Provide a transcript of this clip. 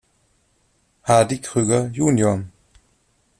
Hardy Krüger jr.